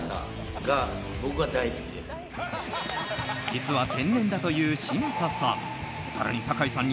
実は天然だという嶋佐さん。